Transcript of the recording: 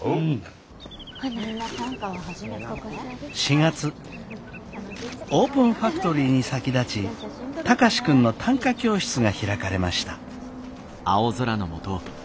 ４月オープンファクトリーに先立ち貴司君の短歌教室が開かれました。